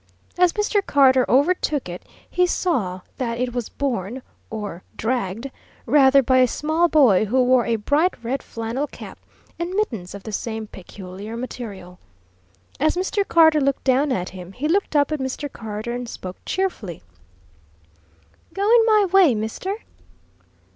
As Mr. Carter overtook it, he saw that it was borne, or dragged, rather by a small boy who wore a bright red flannel cap and mittens of the same peculiar material. As Mr. Carter looked down at him, he looked up at Mr. Carter, and spoke cheerfully: "Goin' my way, mister?"